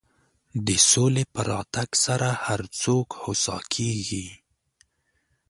د سولې په راتګ سره هر څوک هوسا کېږي.